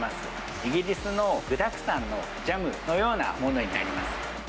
イギリスの具だくさんのジャムのようなものになります。